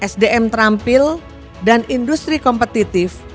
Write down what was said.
sdm terampil dan industri kompetitif